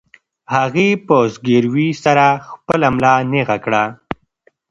هغې په زګیروي سره خپله ملا نېغه کړه.